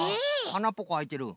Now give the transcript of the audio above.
あなっぽこあいてる。